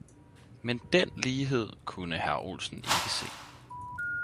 Men den lighed kunde hr. Olsen ikke se.